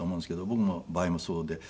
僕の場合もそうで。